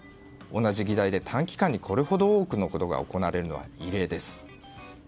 同じ議題で短期間にこれほど多くのことが行われるのは異例です。